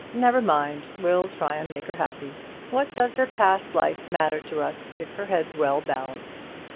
Never mind; we'll try and make her happy. What does her past life matter to us if her head's well balanced?